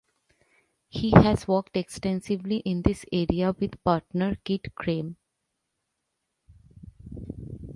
He has worked extensively in this area with partner Kid Creme.